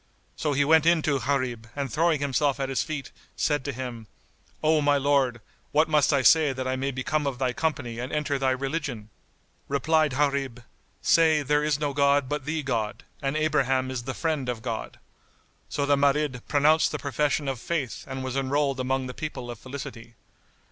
So he went in to Gharib and throwing himself at his feet, said to him, "O my Lord, what must I say that I may become of thy company and enter thy religion?" Replied Gharib, "Say:—There is no god but the God and Abraham is the Friend of God." So the Marid pronounced the profession of Faith and was enrolled among the people of felicity.